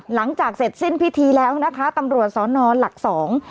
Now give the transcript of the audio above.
หลังจากเสร็จสิ้นพิธีแล้วนะคะตำรวจสอนอนหลักสอง